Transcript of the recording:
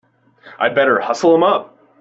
I'd better hustle him up!